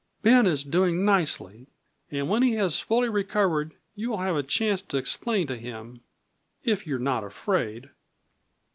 "Ben is doing nicely, and when he has fully recovered you will have a chance to explain to him if you are not afraid."